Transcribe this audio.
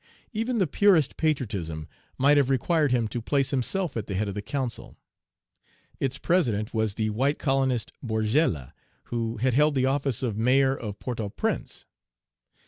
Even the purest patriotism might have required him to place himself at the head of the council. Its president was the white colonist Borgella, who had held the office of Mayor of Port au Prince.